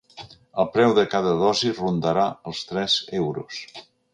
El preu de cada dosi rondarà els tres euros.